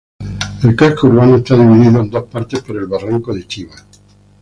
El casco urbano está dividido en dos por el barranco de Chiva.